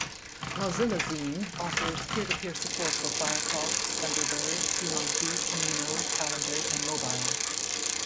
MozillaZine offers peer-to-peer support for Firefox, Thunderbird, SeaMonkey, Camino, Calendar and Mobile.